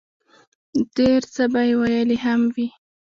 ډېر څۀ به ئې ويلي هم وي